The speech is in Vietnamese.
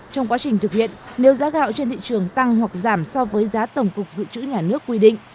trong quá trình thực hiện nếu giá gạo trên thị trường tăng hoặc giảm so với giá tổng cục dự trữ nhà nước quy định